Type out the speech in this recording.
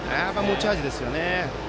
持ち味ですよね。